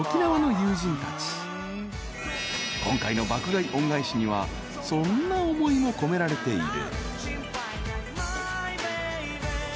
［今回の爆買い恩返しにはそんな思いも込められている］